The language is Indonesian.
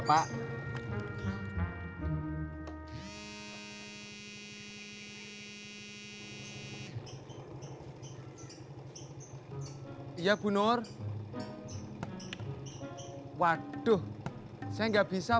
apa nganter yang tinggi begini ngajak melewatin punya kuda kayak gila